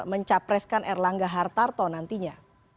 mencapreskan erlangga hartarto nantinya